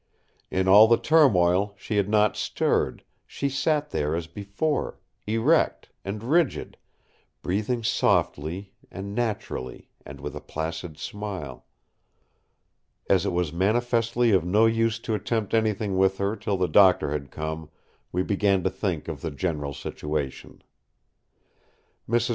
In all the turmoil she had not stirred; she sat there as before, erect and rigid, breathing softly and naturally and with a placid smile. As it was manifestly of no use to attempt anything with her till the doctor had come, we began to think of the general situation. Mrs.